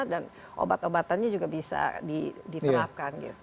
dan obat obatannya juga bisa diterapkan